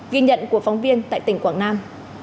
ghi nhận của phóng viên tại tỉnh quảng nam